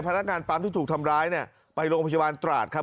พนักงานปั๊มที่ถูกทำร้ายเนี่ยไปโรงพยาบาลตราดครับ